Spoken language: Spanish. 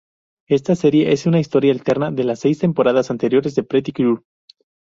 Esta serie es una historia alterna a las seis temporadas anteriores de Pretty Cure.